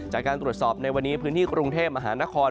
จากการตรวจสอบในวันนี้พื้นที่กรุงเทพมหานคร